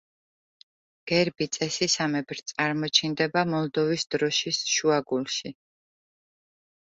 გერბი წესისამებრ წარმოჩინდება მოლდოვის დროშის შუაგულში.